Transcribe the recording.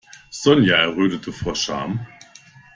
Sonja errötete vor Scham.